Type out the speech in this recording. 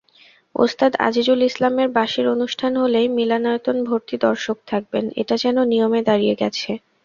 ওস্তাদ আজিজুল ইসলামের বাঁশির অনুষ্ঠান হলেই মিলনায়তনভর্তি দর্শক থাকবেন—এটা যেন নিয়মে দাঁড়িয়ে গেছে।